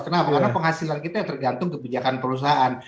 kenapa karena penghasilan kita tergantung kebijakan perusahaan